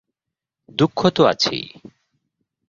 দুঃখ তো আছেই।